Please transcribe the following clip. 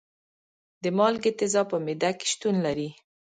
د مالګې تیزاب په معده کې شتون لري.